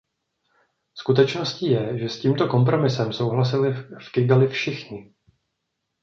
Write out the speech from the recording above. Skutečností je, že s tímto kompromisem souhlasili v Kigali všichni!